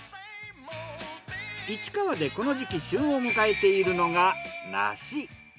市川でこの時期旬を迎えているのが梨。